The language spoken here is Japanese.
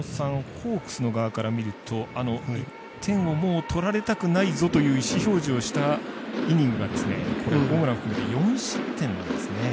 ホークスの側から見ると１点を取られたくないぞという意思表示をしたイニングがホームランを含めて４失点ですね。